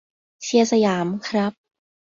เชียร์สยาม ครับ